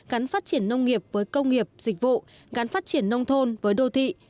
gắn phát triển nông nghiệp với công nghiệp dịch vụ gắn phát triển nông thôn với đô thị